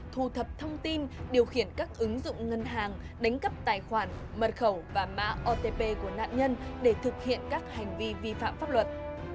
thu thập thông tin điều khiển các ứng dụng ngân hàng đánh cắp tài khoản mật khẩu và mã otp của nạn nhân để thực hiện các hành vi vi phạm pháp luật